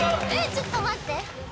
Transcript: ちょっと待って！